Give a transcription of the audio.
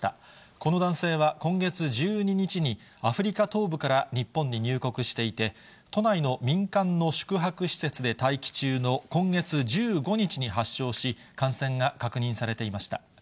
この男性は今月１２日に、アフリカ東部から日本に入国していて、都内の民間の宿泊施設で待機中の今月１５日に発症し、感染が確認されていました。